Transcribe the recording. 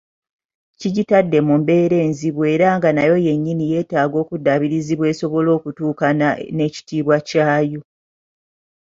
Kkigitadde mu mbeera enzibu era nga nayo yennyini yeetaaga okuddaabirizibwa esobole okutuukana n'ekitiibwa ky'ayo.